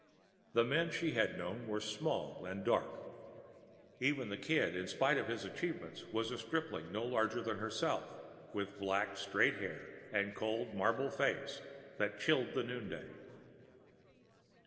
The men she had known had been small and dark. Even the Kid, in spite of his achievements, was a stripling no larger than herself, with black, straight hair and a cold, marble face that chilled the noonday.